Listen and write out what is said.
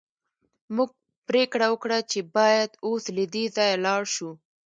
موږ پریکړه وکړه چې باید اوس له دې ځایه لاړ شو